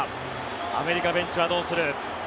アメリカベンチはどうする？